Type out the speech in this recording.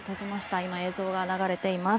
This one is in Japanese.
今、映像が流れています。